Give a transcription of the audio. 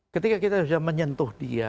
ketika kita sudah menyentuh dia